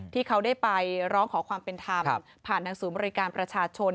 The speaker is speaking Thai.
ที่เขาได้ไปร้องขอความเป็นธรรมผ่านทางศูนย์บริการประชาชน